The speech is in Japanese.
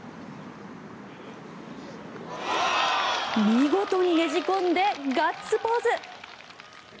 見事にねじ込んでガッツポーズ！